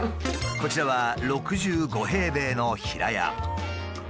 こちらは６５平米の平家。